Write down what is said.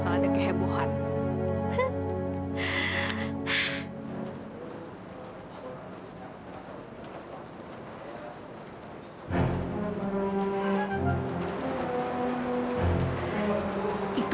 selamatkan report ke lihat